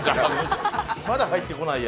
まだ入ってこないや。